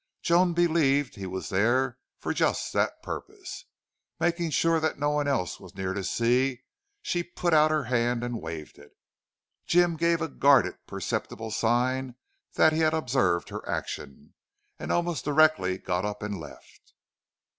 Joan believed he was there for just that purpose. Making sure that no one else was near to see, she put out her hand and waved it. Jim gave a guarded perceptible sign that he had observed her action, and almost directly got up and left.